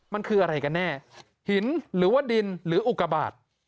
มันคืออะไรกันแน่หินหรือว่าดินหรืออุกบาท